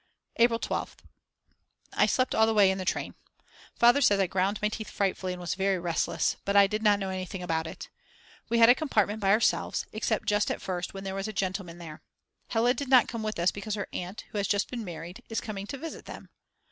April 12th. I slept all the way in the train. Father says I ground my teeth frightfully and was very restless: but I did not know anything about it. We had a compartment by ourselves, except just at first when there was a gentleman there. Hella did not come with us, because her aunt, who has just been married, is coming to visit them.